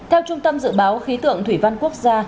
theo trung tâm dự báo khí tượng thủy văn quốc gia